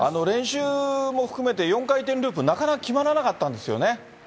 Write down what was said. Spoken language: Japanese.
練習も含めて、４回転ループ、なかなか決まらなかったんですよね。